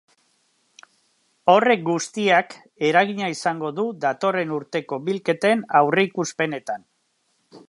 Horrek guztiak eragina izango du datorren urteko bilketen aurreikuspenetan.